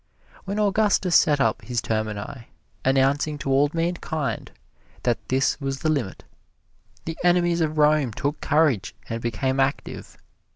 When Augustus set up his Termini, announcing to all mankind that this was the limit, the enemies of Rome took courage and became active.